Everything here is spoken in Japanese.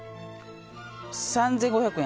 ３５００円。